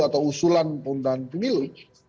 atau usulan penundaan pemilu